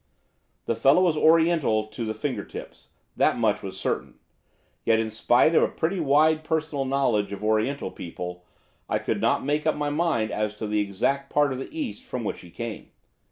The fellow was oriental to the finger tips, that much was certain; yet in spite of a pretty wide personal knowledge of oriental people I could not make up my mind as to the exact part of the east from which he came.